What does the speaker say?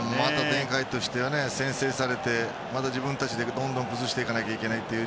展開としては先制されてまた自分たちでどんどんと崩していかなきゃいけない。